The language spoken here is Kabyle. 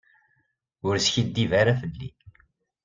Ur skiddib ara fell-i.